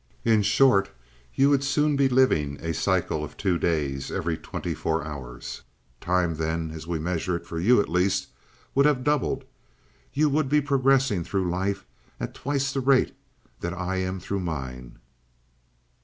In short, you would soon be living a cycle of two days every twenty four hours. Time then, as we measure it, for you at least would have doubled you would be progressing through life at twice the rate that I am through mine."